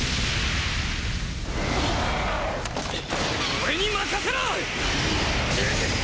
俺に任せろ！